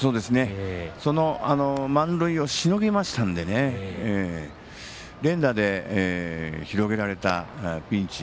その満塁をしのぎましたので連打で広げられたピンチ。